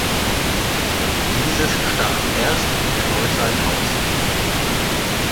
Dieses starb erst in der Neuzeit aus.